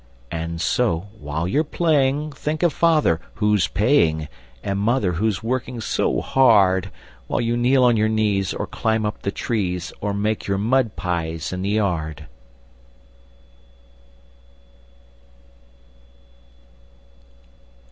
And so, while you're playing, Think of father, who's paying, And mother, who's working so hard; While you kneel on your knees, Or climb up the trees, Or make your mud pies in the yard!